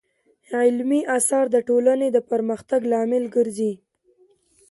علمي اثار د ټولنې د پرمختګ لامل ګرځي.